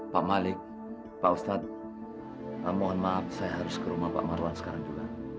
pak malik pak ustadz mohon maaf saya harus ke rumah pak marwan sekarang juga